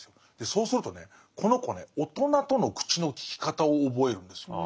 そうするとねこの子ね大人との口の利き方を覚えるんです。